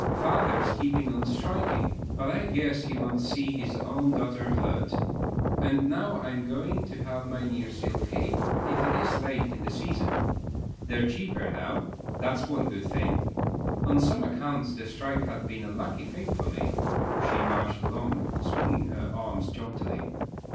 "Father's keepin' on strikin', but I guess he won't see his own daughter hurt; and now I'm goin' to have my nearseal cape, if it is late in the season. They're cheaper now, that's one good thing. On some accounts the strike has been a lucky thing for me." She marched along, swinging her arms jauntily.